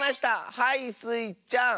はいスイちゃん。